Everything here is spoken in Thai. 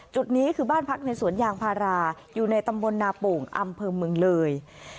จุดนี้คือบ้านพักในสวนยางพาราอยู่ในตำบลนาโป่งอำเภอเมืองเลย